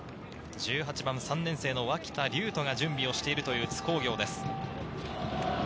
１８番、３年生、脇田竜翔が準備しているという津工業です。